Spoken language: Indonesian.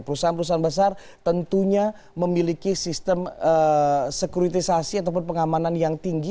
perusahaan perusahaan besar tentunya memiliki sistem sekuritisasi ataupun pengamanan yang tinggi